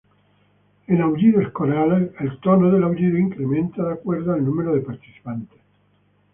En aullidos corales, el tono del aullido incrementa de acuerdo al número de participantes.